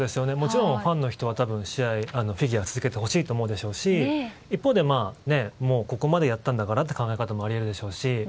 もちろんファンの人はフィギュアを続けてほしいと思うでしょうし一方で、ここまでやったんだからという考え方もあり得るでしょうし。